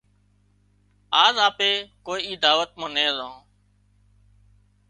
آ اپي ڪوئي اي دعوت مان نين زان